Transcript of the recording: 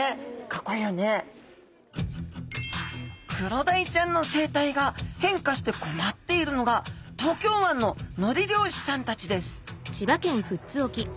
クロダイちゃんの生態が変化して困っているのが東京湾ののり漁師さんたちです